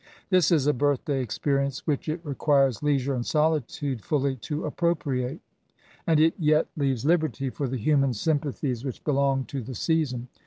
This is a birthday experience which it requires leisure and solitude fully to appropriate : and it yet leaves liberty for the human sympathies which belong to the season.